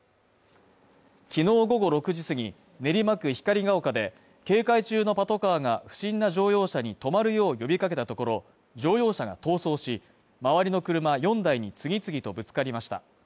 きのう午後６時すぎ、練馬区光が丘で警戒中のパトカーが不審な乗用車に止まるよう呼びかけたところ、乗用車が逃走し、周りの車４台に次々とぶつかりました。